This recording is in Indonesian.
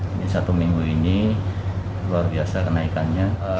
ini satu minggu ini luar biasa kenaikannya